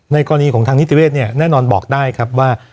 วันนี้แม่ช่วยเงินมากกว่า